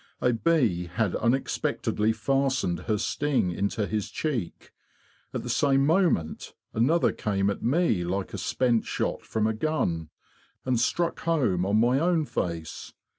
A bee had unexpectedly fastened her sting into his cheek. At the same moment another came at me like a spent shot from a gun, and struck home on my own face.